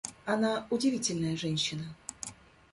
Она удивительная женщина.